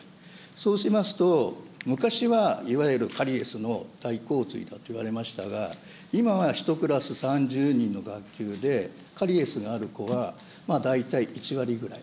そうしますと、昔はいわゆるカリエスの大洪水だといわれましたが、今は１クラス３０人の学級で、カリエスがある子は大体、１割ぐらい。